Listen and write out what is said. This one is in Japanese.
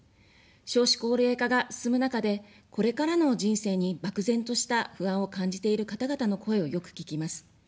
少子高齢化が進む中で、これからの人生に漠然とした不安を感じている方々の声をよく聞きます。